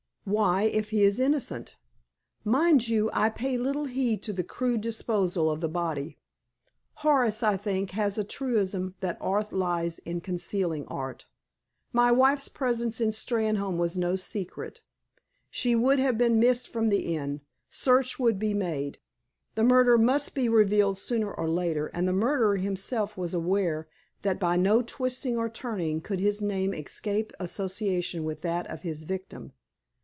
Why, if he is innocent? Mind you, I pay little heed to the crude disposal of the body. Horace, I think, has a truism that art lies in concealing art. My wife's presence in Steynholme was no secret. She would have been missed from the inn. Search would be made. The murder must be revealed sooner or later, and the murderer himself was aware that by no twisting or turning could his name escape association with that of his victim.